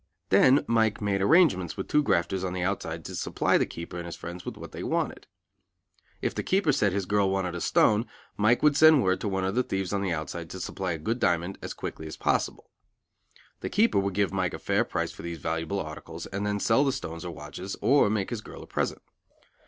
Then Mike made arrangements with two grafters on the outside to supply the keeper and his friends with what they wanted. If the keeper said his girl wanted a stone, Mike would send word to one of the thieves on the outside to supply a good diamond as quickly as possible. The keeper would give Mike a fair price for these valuable articles and then sell the stones or watches, or make his girl a present.